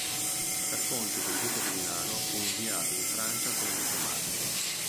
Per conto del duca di Milano fu inviato in Francia come diplomatico.